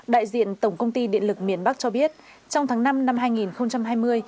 đại diện tổng công ty điện lực miền bắc cho biết trong tháng năm năm hai nghìn hai mươi